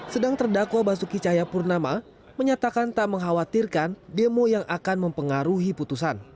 sedang terdakwa basuki cahayapurnama menyatakan tak mengkhawatirkan demo yang akan mempengaruhi putusan